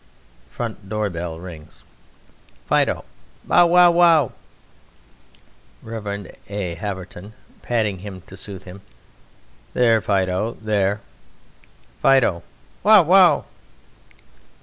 (Front door bell rings.) FIDO: Bow! wow! wow! REV. A. HAVERTON (patting him to soothe him): There, Fido, there! FIDO: Wow! wow!